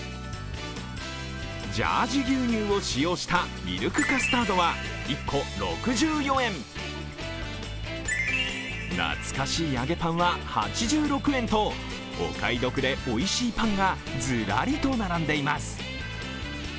ジャージー牛乳を使用したミルクカスタードは１個６４円、懐かしい揚げパンは８６円とお買い得で、おいしいパンがずらりと並んでいます。